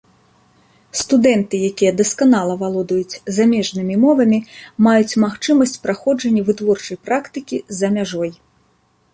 Студэнты, якія дасканала валодаюць замежнымі мовамі, маюць магчымасць праходжання вытворчай практыкі за мяжой.